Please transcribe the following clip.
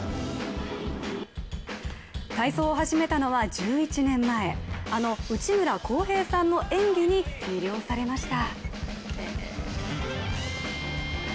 体操を始めたのは１１年前、あの内村航平さんの演技に魅了されました。